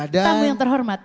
tentu yang terhormat